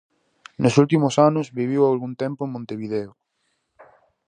Nos últimos anos viviu algún tempo en Montevideo.